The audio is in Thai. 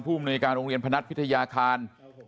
มนุยการโรงเรียนพนัทพิทยาคาร